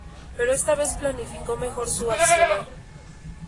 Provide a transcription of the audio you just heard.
Pero esta vez planificó mejor su accionar.